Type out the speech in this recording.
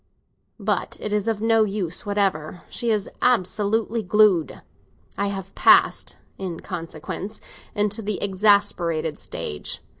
But it is of no use whatever; she is absolutely glued. I have passed, in consequence, into the exasperated stage.